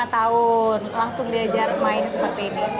lima tahun langsung diajar main seperti ini